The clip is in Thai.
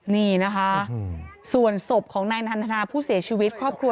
นี่นะคะส่วนศพของนายนันทนาผู้เสียชีวิตครอบครัว